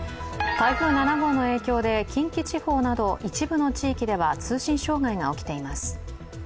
台風７号の影響で近畿地方など一部の地域では、通信障害が起きています。